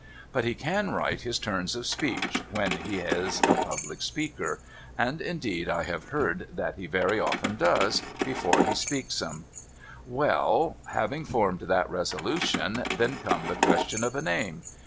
But he can write his turns of speech, when he is a public speaker, — and indeed I have heard that he very often does, before he speaks 'em. Well ! Having formed that resolution, then come the question of a name.